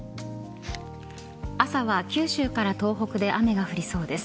朝は九州から東北で雨が降りそうです。